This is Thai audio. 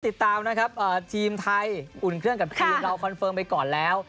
ติดตามนะครับทีมไทยอุ่นเครื่องกับทีมเราคอนเฟิร์มไปก่อนแล้ว